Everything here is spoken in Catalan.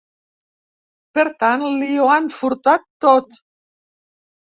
Per tant, li ho han furtat tot.